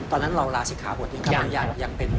ตอนนั้นเราลาศิกขาบทยังเป็นอยู่